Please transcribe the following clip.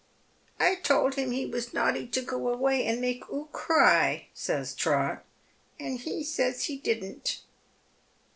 " I told him he was naughty to go away and make oo cry," ys Trot, " and he says he didn't."